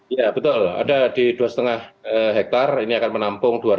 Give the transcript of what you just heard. ya betul ada di dua lima hektare ini akan menampung dua ratus